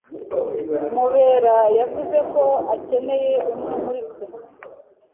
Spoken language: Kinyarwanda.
Mubera yavuze ko akeneye umwe muri twe.